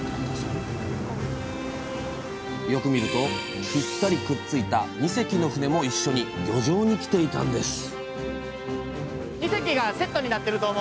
よく見るとピッタリくっついた２隻の船も一緒に漁場に来ていたんです